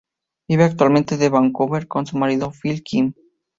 Vive actualmente en Vancouver con su marido, Phil Kim.